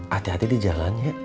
hati hati di jalan ya